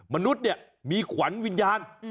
มนุษย์เนี่ยมีขวัญวิญญาณ